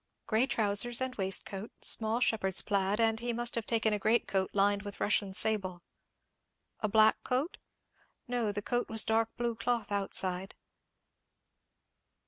"Grey trousers and waistcoat, small shepherd's plaid, and he must have taken a greatcoat lined with Russian sable." "A black coat?" "No; the coat was dark blue cloth outside."